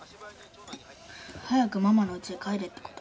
早くママの家へ帰れって事？